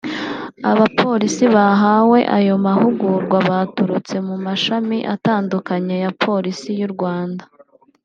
Abapolisi bahawe ayo mahugurwa baturutse mu mashami atandukanye ya Polisi y’u Rwanda